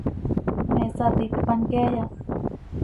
¿Me saticpan queeya?